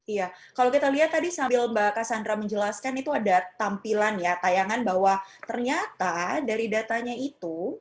iya kalau kita lihat tadi sambil mbak cassandra menjelaskan itu ada tampilan ya tayangan bahwa ternyata dari datanya itu